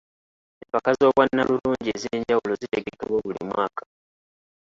Empaka z'obwannalulungi ez'enjawulo zitegekebwa buli mwaka.